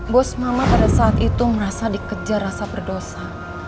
bos mama pada saat itu merasa dikejar rasa berdosa